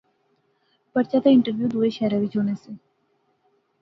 پرچہ تے انٹرویو دووے شہرے وچ ہونے سے